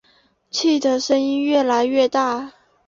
气的声音越来越大